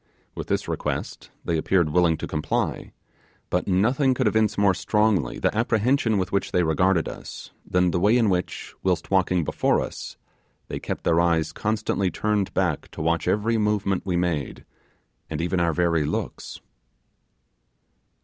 With this request they appeared willing to comply, but nothing could evince more strongly the apprehension with which they regarded us, than the way in which, whilst walking before us, they kept their eyes constantly turned back to watch every movement we made, and even our very looks.